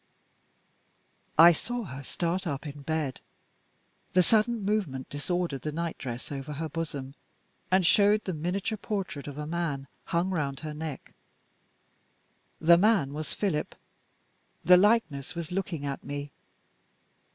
I saw her start up in bed. The sudden movement disordered the nightdress over her bosom and showed the miniature portrait of a man, hung round her neck. The man was Philip. The likeness was looking at me.